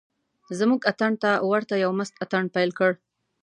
زموږ اتڼ ته ورته یو مست اتڼ پیل کړ.